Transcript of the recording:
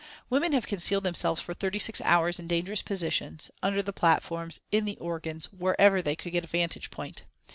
Women have concealed themselves for thirty six hours in dangerous positions, under the platforms, in the organs, wherever they could get a vantage point.